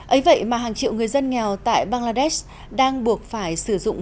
ấy vậy mà hàng triệu người dân nghèo tại bangladesh đang buộc phải sử dụng